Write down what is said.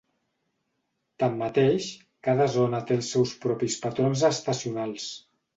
Tanmateix, cada zona té els seus propis patrons estacionals.